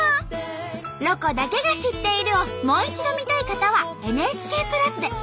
「ロコだけが知っている」をもう一度見たい方はＮＨＫプラスで。